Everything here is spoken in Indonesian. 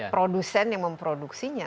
produsen yang memproduksinya